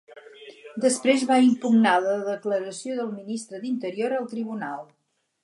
Després va impugnar la declaració del Ministre d'Interior al tribunal.